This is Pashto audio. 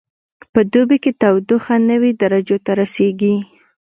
په دوبي کې تودوخه نوي درجو ته رسیږي